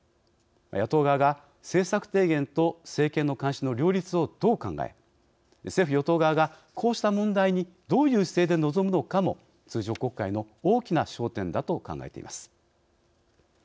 野党側が政策提言と政権の監視の両立をどう考え政府・与党側がこうした問題にどういう姿勢で臨むのかも通常国会の大きな焦点だと考えています。